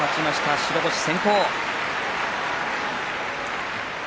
白星先行。